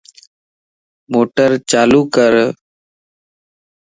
موٽر چالو ڪر